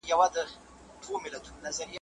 چي پر شرع او قانون ده برابره `